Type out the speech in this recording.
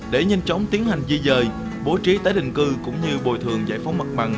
để nhanh chóng tiến hành di dời bố trí tại định cư cũng như bồi thường giải phóng mật mặn